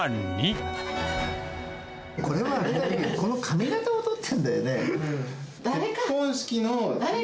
これは、この髪形を撮ってるんだよね。